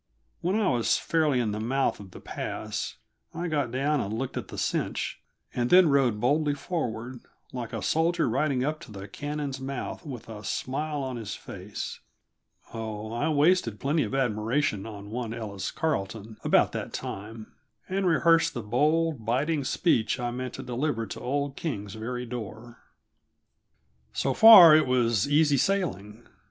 When I was fairly in the mouth of the pass, I got down and looked to the cinch, and then rode boldly forward, like a soldier riding up to the cannon's mouth with a smile on his face. Oh, I wasted plenty of admiration on one Ellis Carleton about that time, and rehearsed the bold, biting speech I meant to deliver at old King's very door. So far it was easy sailing.